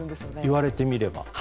言われてみれば。